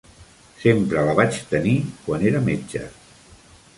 Sempre la vaig tenir, quan era metge.